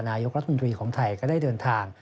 นายกรัฐมนตรีของไทยก็ได้เดินทาง